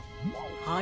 はい。